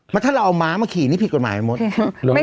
ถ้าเราเอาหมามาขี่นี่ผิดกฎหมายไหมมนทร์